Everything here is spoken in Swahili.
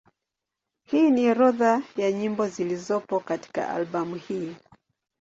Hii ni orodha ya nyimbo zilizopo katika albamu hii.